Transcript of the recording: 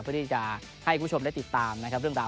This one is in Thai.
เพื่อที่จะให้คุณชมได้ติดตามเรื่องราว